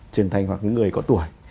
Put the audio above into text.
trưởng thành hoặc những người có tuổi